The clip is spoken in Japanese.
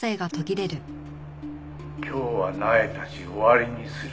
「今日はなえたし終わりにする」